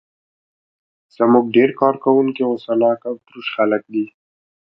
زموږ ډېر کارکوونکي غوسه ناک او تروش خلک دي.